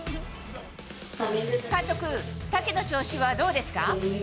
監督、タケの調子はどうです